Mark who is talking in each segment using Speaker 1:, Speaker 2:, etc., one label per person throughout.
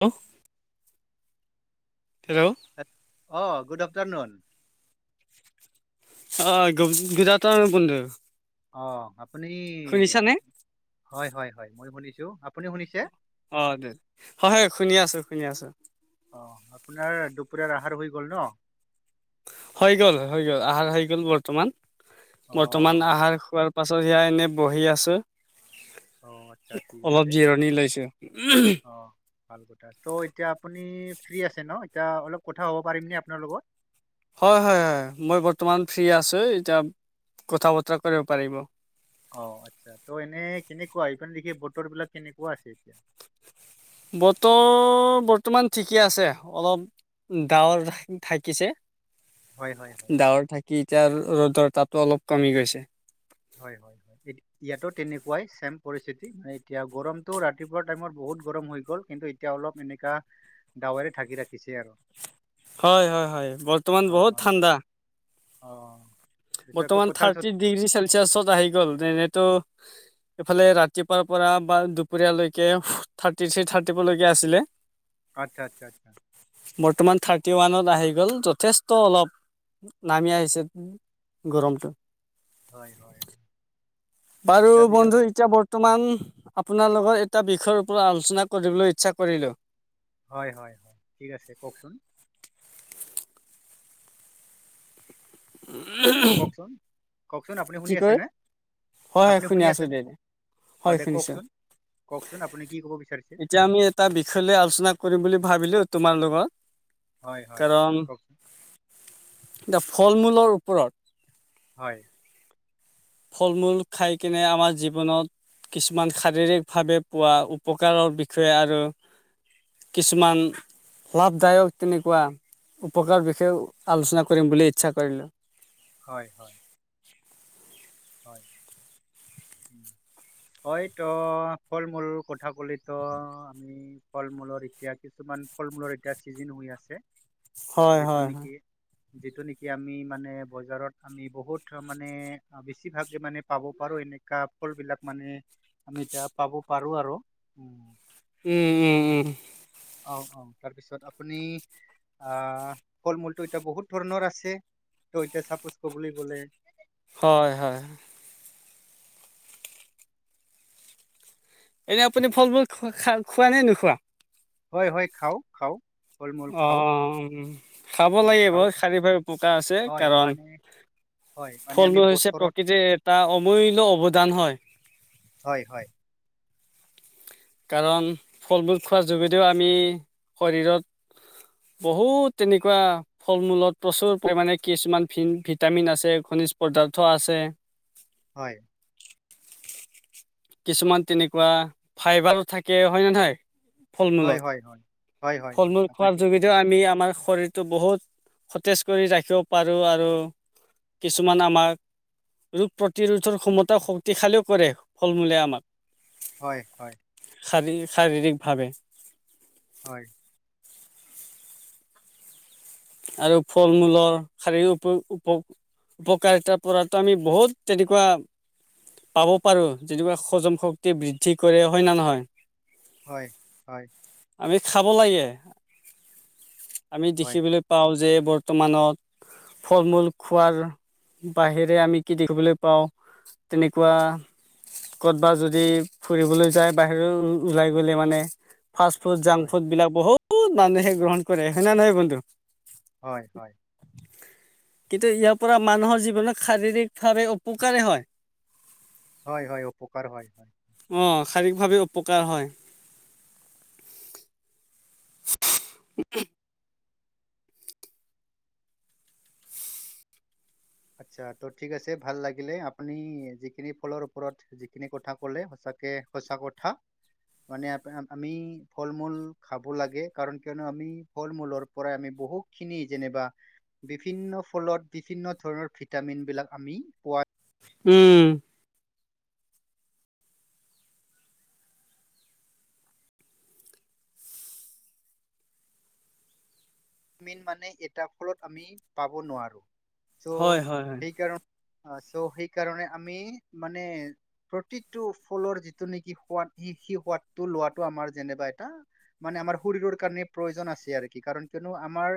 Speaker 1: Hello hello
Speaker 2: অহ good afternoon
Speaker 1: অহ good afternoon বন্ধ।
Speaker 2: অহ আপুনিন হয় হয় হয় মইয়ো শুনিছোঁ আপুনিও শুনিছে।
Speaker 1: অহ দে হয় শুনি আছোঁ, শুনি আছোঁ।
Speaker 2: অহ আপোনাৰ দুপৰীয়াৰ আহাৰ হৈ গল ন।
Speaker 1: হৈ গ'ল হৈ গ'ল আহাৰ হৈ গল বৰ্তমান,
Speaker 2: অ
Speaker 1: বৰ্তমান আহাৰ খোৱাৰ পাছত এয়া এনেই বহি আছোঁ।
Speaker 2: অহ আচ্ছা ঠিক আছে অহ ভাল কথা তো' এতিয়া আপুনি ফ্ৰি আছে ন এতিয়া অলপ কথা কব পাৰিম ন আপোনাৰ লগত।
Speaker 1: হয় হয় হয় মই বৰ্তমান ফ্ৰি আছোঁ এতিয়া কথা বতৰা কৰিব পাৰিব।
Speaker 2: অহ আচ্ছা ত' এনে কেনেকুৱা ইফালে দেখি বতৰ বিলাক কেনেকুৱা আছে এতিয়া।
Speaker 1: বতৰ বৰ্তমান ঠিকে আছে অলপ। ডাৱৰ ঢাকিছে।
Speaker 2: হয় হয় হয়
Speaker 1: ডাৱৰ থাকি এতিয়া ৰ'দৰ তাপ অলপ কমি গৈছে।
Speaker 2: হয় হয় ইয়াতো তেনেকুৱাই ছেম পৰিস্থিতি মানে এতিয়া গৰমতটো ৰাতিপুৱা টাইমত বহুত। বহুত গৰম হৈ গ'ল কিন্তু এতিয়া অলপ এনেকা ডাৱেৰে ঢাকি থাকি ৰাখিছে আৰু।
Speaker 1: হয় হয় হয় বৰ্তমান বহুত
Speaker 2: অ
Speaker 1: ঠাণ্ডা।
Speaker 2: অ পিছত আকৌ
Speaker 1: বৰ্তমান
Speaker 2: কঁঠাল চত
Speaker 1: থাৰ্টি ডিগ্ৰী চেলচিয়াছত আহি গ'ল যেনেতো। এইফালে ৰাতিপুৱাৰ পৰা বা দুপৰীয়ালৈকে থাৰ্টি থ্ৰী থাৰ্টিবলৈকে আছিলে।
Speaker 2: আচ্ছা, আচ্ছা, আচ্ছা,
Speaker 1: বৰ্তমান থাৰ্টি ওৱানত। অহ আহি গ'ল যথেষ্ট অলপ নামি আহিছে গৰমটো।
Speaker 2: হয় হয়
Speaker 1: বাৰু
Speaker 2: আচ্ছা পিছত
Speaker 1: বন্ধু এতিয়া বৰ্তমান আপোনাৰ লগত এটা বিষয়ৰ ওপৰত আলোচনা কৰিবলৈ ইচ্ছা কৰিলোঁ।
Speaker 2: হয় হয় ঠিক আছে কওঁকচোন। কওঁকচোন কওঁকচোন আপুনি
Speaker 1: কি
Speaker 2: শুনি
Speaker 1: কয়
Speaker 2: আছেনে।
Speaker 1: হয়
Speaker 2: আপুনি
Speaker 1: শুনি আছোঁ
Speaker 2: আছেনে?
Speaker 1: দে।
Speaker 2: অ
Speaker 1: হয়
Speaker 2: দে
Speaker 1: শুনিছো
Speaker 2: কওঁকচোন।
Speaker 1: এতিয়া আমি এটা বিষয় লৈ আলোচনা কৰিম বুলি ভাবিলোঁ। তোমাৰ লগত।
Speaker 2: হয় হয়
Speaker 1: কাৰণ
Speaker 2: কওঁক
Speaker 1: এতিয়া ফল মূলৰ ওপৰত
Speaker 2: হয়।
Speaker 1: ফল মূল খাই কেনে আমাৰ জীৱনত কিছুমান শাৰীৰিক ভাৱে পোৱা উপকাৰৰ বিষয়ে আৰু কিছুমান লাভদায়ক তেনেকুৱা উপকাৰৰ বিষয়েও আলোচনা কৰিম বুলি ইচ্ছা কৰিলোঁ
Speaker 2: হয় হয় হয় হয়তো ফল মূলৰ কথা কলে তো আমি ফল মূলৰ এতিয়া কিছুমান ফল মূলৰ এতিয়া চিজন হৈ আছে
Speaker 1: হয়
Speaker 2: যিটো
Speaker 1: হয়
Speaker 2: নেকি
Speaker 1: হয়
Speaker 2: যিটো নেকি আমি মানে বজাৰত বহুত মানে বেছিভাগে মানে পাব পাৰো এনেকুৱা ফল বিলাক মানে আমি এতিয়া পাব পাৰো আৰু
Speaker 1: উম উম উম
Speaker 2: তাৰপিছত আপুনি ফল মূলটো এতিয়া বহুত ধৰণৰ আছে এতিয়া চাপোজ কব বুলি ক'লে
Speaker 1: হয় হয় এনেই আপুনি ফল মূল খোৱা নে নোখোৱা
Speaker 2: হয় হয় খাওঁ খাওঁ ফল মূল
Speaker 1: অ
Speaker 2: খাওঁ
Speaker 1: খাব
Speaker 2: উম
Speaker 1: লাগে
Speaker 2: খাওঁ
Speaker 1: বাৰু শাৰিফাৰী পোক আছে
Speaker 2: হয়
Speaker 1: কাৰণ
Speaker 2: মানে হয় মানে
Speaker 1: ফল
Speaker 2: আমি
Speaker 1: মূল হৈছে
Speaker 2: বছৰত
Speaker 1: প্ৰকৃতিৰ এটা অমূল্যয় অৱদান হয়
Speaker 2: হয় হয়
Speaker 1: কাৰণ ফল মূল খোৱাৰ যোগেদিও আমি শৰীৰত বহুত তেনেকুৱা ফল মূলত প্ৰচুৰ পৰিমাণে কিছুমান ভিটামিন আছে খনিজ পদাৰ্থ আছে
Speaker 2: হয়
Speaker 1: [inaudible] কিছুমান তেনেকুৱা ফাইবাৰো থাকে হয় নে নহয়
Speaker 2: হয় হয় হয় হয় হয়
Speaker 1: ফল
Speaker 2: হয়
Speaker 1: মূল
Speaker 2: আপুনি
Speaker 1: খোৱাৰ
Speaker 2: ঠিক কৈছে
Speaker 1: যোগেদিও আমি আমাৰ শৰীৰ বহুত সতেজ কৰি ৰাখিব পাৰোঁ আৰু কিছুমান আমাক ৰোগ প্ৰতিৰোধৰ ক্ষমতা শক্তিশালীও কৰে ফল মূলে আমাক
Speaker 2: হয় হয়
Speaker 1: শাৰীৰি শাৰীৰিভাৱে
Speaker 2: হয়।
Speaker 1: আৰু ফল-মূলৰ [unintelligible] উপকাৰিতাৰ পৰাতো আমি বহুত তেনেকুৱা পাব পাৰো যেনেকুৱা হজম শক্তি বৃদ্ধি কৰে হয়নে নহয়?
Speaker 2: হয়, হয়।
Speaker 1: আমি খাব লাগে আমি
Speaker 2: হয়
Speaker 1: দেখিবলৈ পাওঁ যে বৰ্তমানত ফল মূল খোৱাৰ বাহিৰে আমি কি দেখিবলৈ পাওঁ তেনেকুৱা কৰ'বাত যদি ফুৰিবলৈ যায় বাহিৰত ওলাই গলে মানে ফাষ্ট ফুড জাংক
Speaker 2: হয়
Speaker 1: ফুড বিলাক বহুত মানুহে গ্ৰহণ কৰে হয় নে নহয় বন্ধু
Speaker 2: হয় হয়
Speaker 1: কিন্তু ইয়াৰ পৰা মানুহৰ জীৱনত শাৰীৰিক ভাৱে উপকাৰে হয়
Speaker 2: হয় হয় উপকাৰ হয় হয়
Speaker 1: শাৰীৰিকভাৱে উপকাৰ হয় উ
Speaker 2: আতছা' ঠিক আছে ভাল লাগিলে আপুনি যিখিনি ফলৰ ওপৰত যিখিনি কথা কলে সচ সঁচা কথা মানে আমি ফল মূল খাব লাগে কাৰণ আমি ফল মূলৰ পৰাই আমি বহুত খিনি যেনিবা বিভিন্ন ফলত বিভিন্ন। ধৰণৰ ভিটামিন বিলাক আমি পোৱা।
Speaker 1: উম
Speaker 2: আমি মানে এটা ফলত আমি পাব নোৱাৰো চ'
Speaker 1: হয় হয় হয়
Speaker 2: সেইকাৰণে আহ চ' সেইকাৰণে আমি মানে প্ৰতিটো ফলৰ যিটো নেকি সোৱাদ স সেই সোৱাদটো লোৱাটো আমাৰ যেনিবা এটা- মানে আমাৰ শৰীৰৰ কাৰণে প্ৰয়োজন আছে আৰু কি কাৰণ কিয়নো আমাৰ,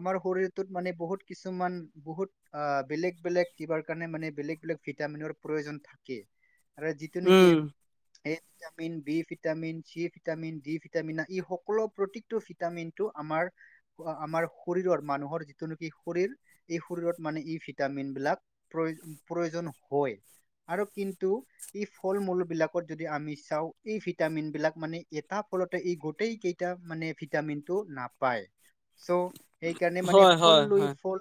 Speaker 2: আমাৰ শৰীৰটোত মানে বহুত কিছুমান বহুত আ বেলেগ বেলেগ কিবা কাৰণে মানে বেলেগ বেলেগ ভিটামিনৰ প্ৰয়োজন থাকে আৰু যিটো নেকি
Speaker 1: উম
Speaker 2: A vitamin B vitamin C vitamin D vitamin E সকলো প্ৰতিটো ভিটামিনটো আমাৰ আমাৰ শৰীৰৰ মানুহৰ যিটো নেকি শৰীৰ এই শৰীৰত মানে ই ভিটামিনবিলাক প্ৰয়ো প্ৰয়োজন হয়। আৰু কিন্তু এই ফল-মূলবিলাকত যদি আমি চাওঁ এই ভিটামিনবিলাক মানে এটা ফলতে ই গোটেইকেইটা মানে ভিটামিনটো নাপা পায়, চ' সেইকাৰণে মানে
Speaker 1: হয়
Speaker 2: ফল
Speaker 1: হয়
Speaker 2: লই
Speaker 1: হয়
Speaker 2: ফল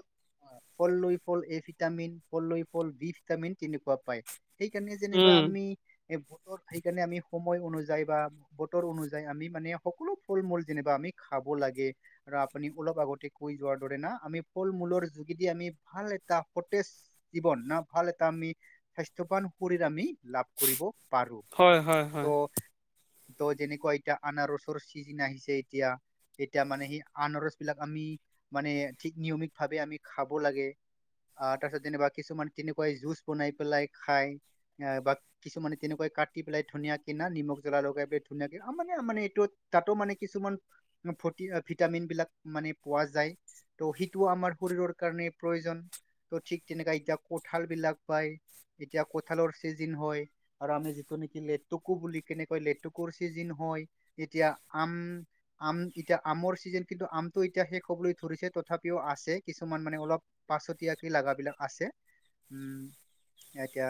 Speaker 2: ফললৈ ফল এ ভিটামিন ফললৈ ফল বি ভিটামিন তেনেকুৱা পায়। সেইকাৰণে যেনিবা
Speaker 1: উম
Speaker 2: আমি এই বতৰ সেইকাৰণে আমি সময় অনুযায়ী বা বতৰ অনুযায়ী আমি মানে সকলো ফল-মূল যেনিবা আমি আমি খাব লাগে। আৰু আপুনি অলপ আগতে কৈ যোৱাৰ দৰে না আমি ফল-মূলৰ যোগেদি আমি ভাল এটা সতেজ জীৱন ন, ভাল এটা আমি স্বাস্থ্যৱান শৰীৰ আমি লাভ কৰিব পাৰো,
Speaker 1: হয় হয়
Speaker 2: ত'
Speaker 1: হয়
Speaker 2: ত' যেনেকুৱা এতিয়া আনাৰসৰ চিজন আহিছে এতিয়া এতিয়া মানে সেই আনাৰসবিলাক আমি মানে ঠিক নিয়মিতভাৱে আমি খাব লাগে। আহ তাৰ পিছত যেনা কিছুমানে তেনেকুৱাই জুচ বনাই পেলাই খাই আহ বা কিছুমানে তেনেকুৱা। কাটি পেলাই ধুনীয়া কিনা নিমখ জ্বলা লগাই পেলাই ধুনীয়াকে মানে মানে এইটো তাতো মানে কিছুমান। [unintelligible] ভিটামিনবিলাক মানে পোৱা যায় ত' সেইটোও আমাৰ শৰীৰৰ কাৰণে প্ৰয়োজন। ত' ঠিক তেনেকা এতিয়া কঁঠালবিলাক পায়। এতিয়া কঁঠালৰ চিজন হয় আৰু আমি যিটো নেকি লেতুকু বুলি কেনেকৈ লেতুকুৰ চিজন হয়। হয়, এতিয়া আম আম এতিয়া আমৰ ছিজন কিন্তু আমতটো এতিয়া শেষ হবলৈ ধৰিছে তথাপিও আছে কিছুমান মানে অলপ পাছতিয়াকৈ লগাবিলাক আছে উম এতিয়া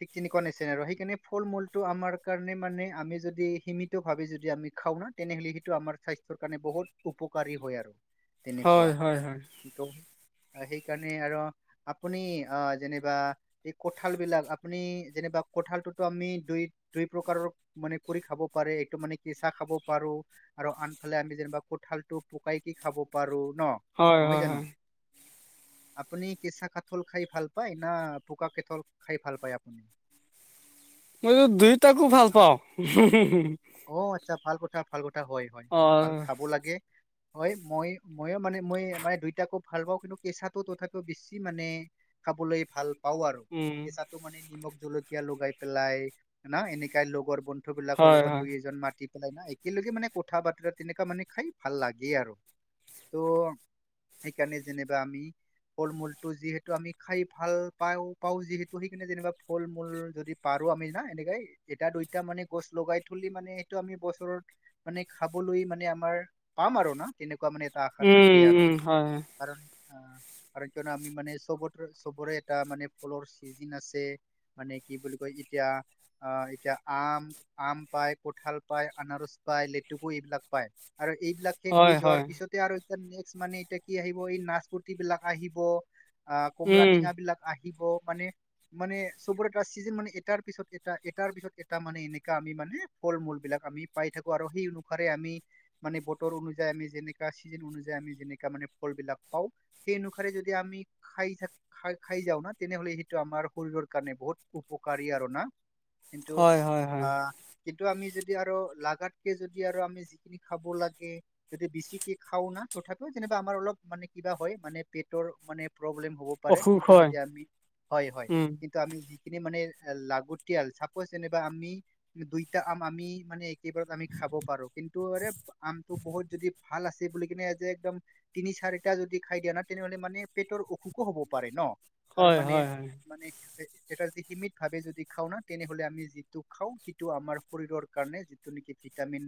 Speaker 2: ঠিক তেনেকুৱা নিচিনা আৰু সেইকাৰণে ফল মূলটো আমাৰ কাৰণে মানে আমি যদি সীমিত ভাৱে যদি আমি খা খাওঁ ন তেনেহলে সেইটো আমাৰ স্বাস্থ্য ৰ কাৰণে বহুত উপকাৰী হয় আৰু তেনেকুৱা,
Speaker 1: হয় হয় হয়
Speaker 2: কিন্ত সেইকাৰণে আৰু আপুনি আহ যেনিবা এই কঁঠাল বিলাক আপুনি যেনিবা কঁঠালটোতো আমি দুই দুই প্ৰকাৰৰ মানে কৰি খাব পাৰে এইটো মানে কেঁচা খাব পাৰো। আৰু আন ফালে আমি যেনিবা কঁঠালটো পকাই কি খাব পাৰো ন,
Speaker 1: হয় হয়
Speaker 2: নহয় জানো?
Speaker 1: হয়
Speaker 2: আপুনি কেঁচা কাথল খাই ভাল পায় না পোকা কঁথল খাই ভাল পায় আপুনি?
Speaker 1: মই দুইটাকো ভাল পাওঁ [unintelligible]
Speaker 2: অ আচ্ছা ভাল কথা ভাল কথা হয় হয়
Speaker 1: অ
Speaker 2: হয় ভাল খাব লাগে। হয় মই মইও মানে মই মানে দুইটাকো ভাল পাওঁ কিন্তু কেঁচাটো তথাপিও বেছি মানে খাবলৈ ভাল। পাও আৰু
Speaker 1: উম
Speaker 2: কেঁচাটো মানে নিমখ জলকীয়া লগাই পেলাই হয়ন এনেকাই লগৰ বন্ধু মানুহবিলাকৰ
Speaker 1: হয়
Speaker 2: লগত
Speaker 1: হয়
Speaker 2: দুই এজন মাতি পেলাই না একেলগে মানে কথা বাতৰা তেনেকুৱা মানে খাই ভাল লাগেই আৰু। ত', সেইকাৰণে যেনিবা আমি ফল-মূলটো যিহেতু আমি খাই ভাল পাওঁ পাওঁ যিহেতু সেইকাৰণে যেনিবা ফল-মূল যদি পাৰো আমি না এনেকাই এটা দুইটা মানে গছ লগাই পুলি মানে সেইটো আমি বছৰত মানে খাবলৈ মানে আমাৰ পাম আৰু না তেনেকুৱা ক মানে এটা আশা
Speaker 1: উম
Speaker 2: থাকেই আৰু
Speaker 1: উম হয়
Speaker 2: কাৰণ আহ
Speaker 1: [inaudible]
Speaker 2: কাৰণ কিয়নো আমি মানে চব চবৰে এটা মানে ফলৰ চিজন আছে মানে কি বুলি কয়? এতিয়া অ এতিয়া আম, আম পায় কঁঠাল পায় আনাৰস পায় লেটুকু এইবিলাক পায় আৰু এইবিলাকে
Speaker 1: হয়
Speaker 2: শেষ
Speaker 1: হয়
Speaker 2: যোৱাৰ পিছতে আৰু এয়া নেক্স মানে এতিয়া কি আহিব এই নাচপতিবিলাক আহিব আহ
Speaker 1: উম
Speaker 2: কমলাটেঙাবিলাক আহি দিব মানে, মানে চবৰে [unintelligible] চিজন মানে এটাৰ পিছত এ এটাৰ পিছত এটা মানে এনেকা আমি মানে ফল মূল বিলাক আমি পাই থাকো আৰু সেই অনুসাৰে আমি মানে বতৰ অনুযায়ী আমি যেনেকা চিজন অনুযা [unintelligible] আমি জেনেকা‌ মানে‌ ফল বিলাক পাও সেই অনোখাৰে যেতিয়া আমি খাই থাকো খাই‌ যাওঁ না তেনেহলে সেইটো আমাৰ শৰীৰৰ কাৰণে বহুত উপকাৰী আৰু না কিন্তু
Speaker 1: হয় হয় হয়
Speaker 2: আহ কিন্তু আমি যদি আৰু লাগাতকে যদি আৰু আমি যিখিনি খাব লাগে যদি বেচিকে খাও না [unintelligible] তথাপিও যে আমাৰ অলপ মানে কিবা হয় মানে পেটৰ মানে প্ৰব্লেম হব পাৰে
Speaker 1: অসুখ
Speaker 2: কিন্তু
Speaker 1: হয়
Speaker 2: যেতিয়া আমি হয় হয়
Speaker 1: উম
Speaker 2: কিন্তু আমি যিখিনি মানে লাগতিয়াল চাপচ যেনিবা আি দুই এ আম আমি মানে একেবাৰত আমি খাব পাৰো কিন্তু এৰে আমটো বহুত যদি ভাল আছে বুলি কিনে যে একদম তিনি চাৰিটা যদি খাই দিয়া না তেনেহলে মানে পেটৰ অসুখো হব পাৰে ন আৰু
Speaker 1: হয়
Speaker 2: মানে
Speaker 1: হয় হয়
Speaker 2: মানে এটা য সীমিত ভাৱে যদি খাও না তেনেহলে আমি যিটো খাও সিটো আমাৰ শৰৰ কাৰণে যিটো নেকি ভিটামিন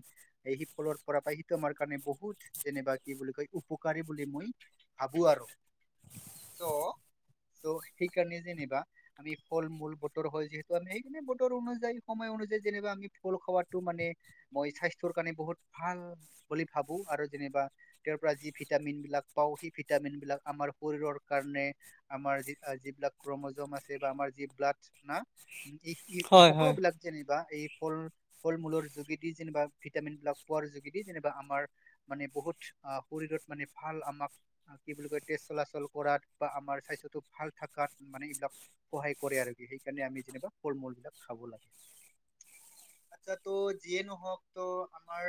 Speaker 2: সি ফলৰ পৰা পাই সেইটো আমাৰ কাৰণে বহুত যেনিবা কি উপকাৰী বুলি মই ভাবো আৰু চ ত' সেই কাৰণে যেনিবা আমি ফল মূল বতৰ হয় যিহেতু আমি সেইি বতৰ অনুযায়ী সময় যেনিবা আমি ফল খোৱাাতটো মানে মই স্বাস্থ্যৰ কাৰণে বহুত ভাল বুলি ভাবো আৰু যেনিবা যি ভিটামিন বিলাক পাওঁ সেই ভিটামিন বিলাক আমাৰ শৰৰ কাৰণে আমাৰ যিবিলাক ক্ৰমম আছে বা আমাৰ যি ব্লাড না ই ই
Speaker 1: হয়
Speaker 2: সকলো
Speaker 1: হয়
Speaker 2: বিলাক যেনিবা এই [unintelligible]
Speaker 1: [unintelligible] [inaudible]
Speaker 2: ফল মূলৰ যোগেদি যেনিবা ভিটামিন বিলাক পোৱাৰ যোগেদি যেনিবা আমাৰ মানে বহুত শৰীৰত মানে ভাল আমাক কি বুলি কয় তেজ চলাচল কৰাত বা আমাৰ স্বাস্থ্যতো ভাল থকাত মানে [unintelligible] সহায় কৰে আৰু সেইকাৰণে আমি যেনিবা ফল মূল বিলাক খাব লাগে
Speaker 1: [unintelligible]
Speaker 2: আচ্ছা তো যিয়ে নহওক তোৰ' আমাৰ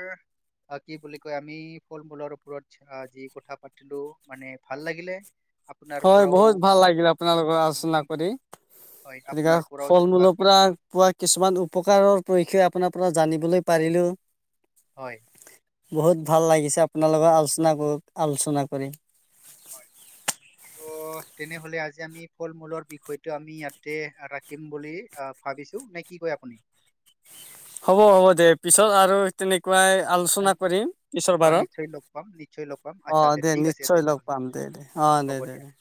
Speaker 2: অ কি বুলি কয় আমি ফল মূলৰ ওপৰত যি কথা পাতিলো মানে ভাল লাগিলে আপোনাৰ
Speaker 1: হয়
Speaker 2: পৰাও
Speaker 1: বহুত ভাল
Speaker 2: আহ,
Speaker 1: লাগিল আপোনা লগত
Speaker 2: মই
Speaker 1: আলোচনা কৰি
Speaker 2: হয়
Speaker 1: তেনেকুৱা
Speaker 2: আপোনাৰ পৰাও
Speaker 1: ফল
Speaker 2: যেনিবা
Speaker 1: মূলৰ পৰা
Speaker 2: কিছুমান
Speaker 1: পোৱা কিছুমান উপকাৰৰ পৰিক্ষা আপোনাৰ পৰা জানিবলৈ পাৰিলোঁ
Speaker 2: হয়
Speaker 1: বহুত ভাল লাগিছে আপোনাৰ লগৰ আলোচনা কৰ আলোচনা
Speaker 2: হয়
Speaker 1: কৰি
Speaker 2: ত তেনেহলে আজি আমি ফল মূলৰ বিষয়টো আমি ইয়াতে ৰাখিম বুলি আহ ভাবিছো নে কি কয় আপুনি
Speaker 1: হ'ব হ'ব দে পিছত আৰু তেনেক পুৱাই
Speaker 2: আহ,
Speaker 1: আলোচনা
Speaker 2: নি-
Speaker 1: কৰিম পিছৰ
Speaker 2: অ নিশ্চয় লগ পাম নিশ্চয় লগ পাম
Speaker 1: বাৰত অ
Speaker 2: আচ্ছা
Speaker 1: দে
Speaker 2: ঠিক আছে
Speaker 1: নিশ্চয় লগ
Speaker 2: তেনেহ'লে
Speaker 1: পাম দে অ
Speaker 2: হ'ব
Speaker 1: দে
Speaker 2: দিয়া।
Speaker 1: দে দে